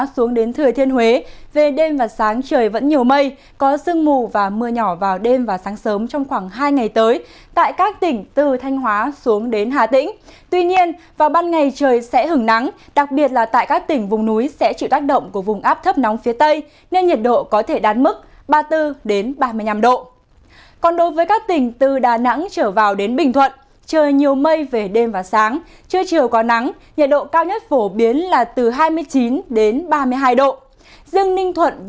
xin kính chào tạm biệt và hẹn gặp lại